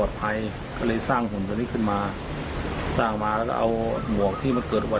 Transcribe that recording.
ดี